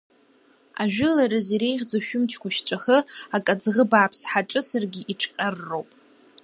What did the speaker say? Ажәылараз иреиӷьӡоу шәымчқәа шәҵәахы, акаӡӷы бааԥс ҳаҿысыргьы, иҿҟьарроуп…